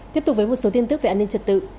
tiếp tục với một số tin tức về an ninh trật tự